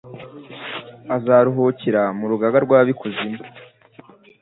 azaruhukira mu rugaga rw’ab’ikuzimu